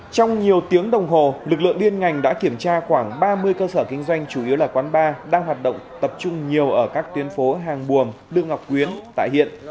trong nhiều tiếng đồng hồ lực lượng liên ngành đã kiểm tra khoảng ba mươi cơ sở kinh doanh chủ yếu là quán bar đang hoạt động tập trung nhiều ở các tuyến phố hàng buồm đương ngọc quyến tại hiện